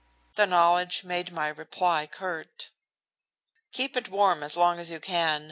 The knowledge made my reply curt. "Keep it warm as long as you can.